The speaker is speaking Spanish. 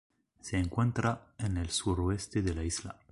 Se encuentra en el suroeste de la isla.